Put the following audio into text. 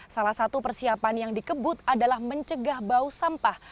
salah satu persiapan yang dikebut adalah mencegah bau sampah